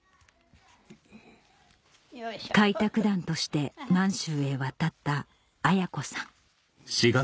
開拓団として満州へ渡った綾子さん